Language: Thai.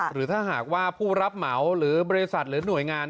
หรือถ้าหากว่าผู้รับเหมาหรือบริษัทหรือหน่วยงาน